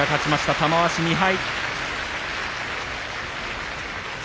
玉鷲２敗。